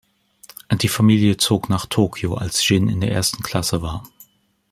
Die Familie zog nach Tokyo als Jin in der ersten Klasse war.